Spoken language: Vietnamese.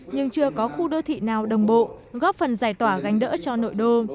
nhưng chưa có khu đô thị nào đồng bộ góp phần giải tỏa gánh đỡ cho nội đô